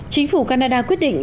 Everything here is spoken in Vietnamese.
chính phủ canada quyết định